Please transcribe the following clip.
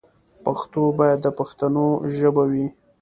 پښتو باید د پښتنو ژبه وي.